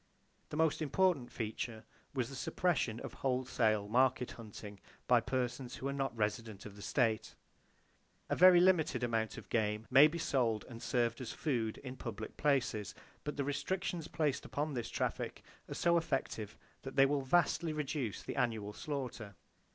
The most important feature was the suppression of wholesale market hunting, by persons who are not residents of the state. A very limited amount of game may be sold and served as food in public places, but the restrictions placed upon this traffic are so effective that they will vastly reduce the annual slaughter.